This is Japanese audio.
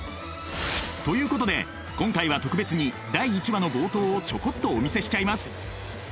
ということで今回は特別に第１話の冒頭をちょこっとお見せしちゃいます。